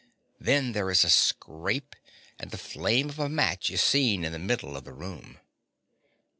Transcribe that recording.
Then there is a scrape; and the flame of a match is seen in the middle of the room.